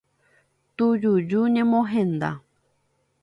Tujuju ñemohenda.